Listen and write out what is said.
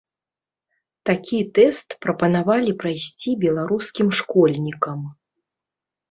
Такі тэст прапанавалі прайсці беларускім школьнікам.